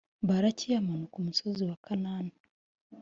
baraki amanuka umusozi wa kanani